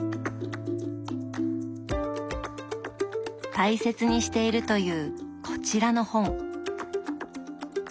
大切にしているというこちらの本。